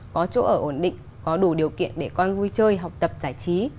có chỗ ở ổn định có đủ điều kiện để con vui chơi học tập giải trí